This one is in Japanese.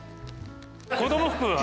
子供服は？